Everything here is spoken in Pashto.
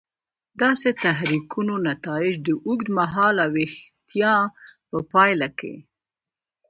داسې تحریکونو نتایج د اوږد مهاله ویښتیا په پایله کې.